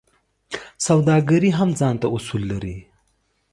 سوداګري هم ځانته اصول لري.